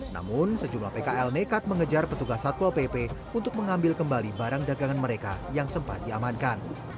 namun sejumlah pkl nekat mengejar petugas satpol pp untuk mengambil kembali barang dagangan mereka yang sempat diamankan